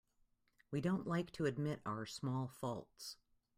We don't like to admit our small faults.